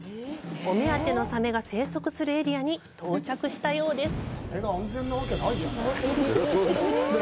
お目当てのサメが生息するエリアに到着したようです。